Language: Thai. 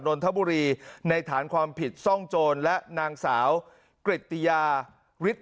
นนทบุรีในฐานความผิดซ่องโจรและนางสาวกริตติยาฤทธิ